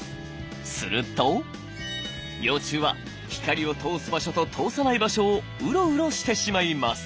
すると幼虫は光を通す場所と通さない場所をうろうろしてしまいます。